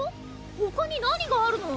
他に何があるの。